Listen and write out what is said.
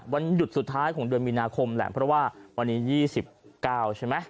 วันหยุดสุดท้ายของเดือนมีนาคมแหละเพราะว่าวันนี้๒๙ใช่ไหม